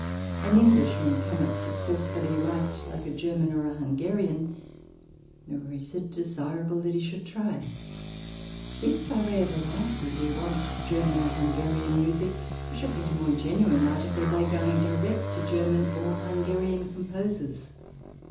An Englishman cannot successfully write like a German or a Hungarian, nor is it desirable that he should try. If, by way of variety, we want German or Hungarian music we shall get a more genuine article by going direct to German or Hungarian composers.